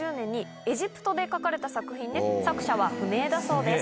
作者は不明だそうです。